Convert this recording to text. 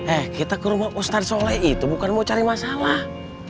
eh kita ke rumah ustadz soleh itu bukan mau cari masalah